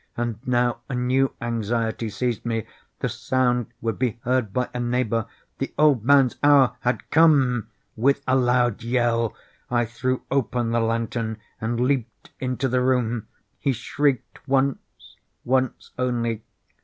And now a new anxiety seized me—the sound would be heard by a neighbour! The old man's hour had come! With a loud yell, I threw open the lantern and leaped into the room. He shrieked once—once only.